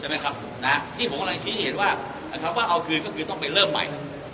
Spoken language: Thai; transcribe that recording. ใช่ไหมครับที่ผมเห็นว่าเอาคืนก็คือต้องไปเริ่มใหม่